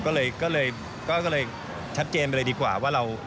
ก็เลยก็เลยชัดเจนไปเลยดีกว่าว่าเรา